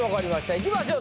いきましょう。